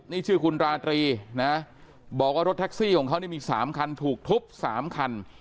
นี่ชื่อคุณราตรีนะบอกว่ารถแท็กซี่ของเขานี่มี๓คันถูกทุบ๓คัน